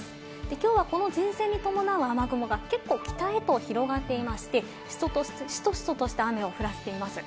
きょうはこの前線に伴う雨雲が結構北へと広がっていまして、シトシトとした雨を降らせています。